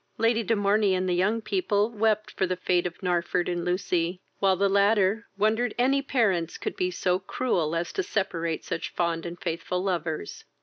Lady de Morney and the young people wept for the fate of Narford and Lucy, while the latter wondered any parents could be so cruel as to separate such fond and faithful lovers.